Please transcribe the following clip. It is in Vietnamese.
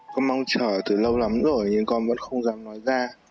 con mong chờ từ lâu lắm rồi nhưng con vẫn không dám nói ra